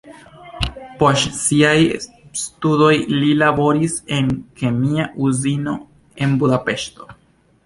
Post siaj studoj li laboris en kemia uzino en Budapeŝto.